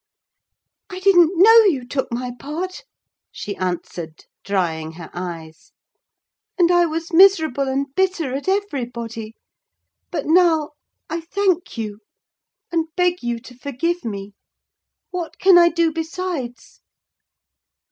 "I didn't know you took my part," she answered, drying her eyes; "and I was miserable and bitter at everybody; but now I thank you, and beg you to forgive me: what can I do besides?"